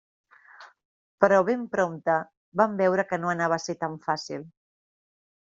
Però ben prompte vam veure que no anava a ser tan fàcil.